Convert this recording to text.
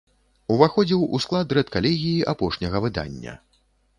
Уваходзіў у склад рэдкалегіі апошняга выдання.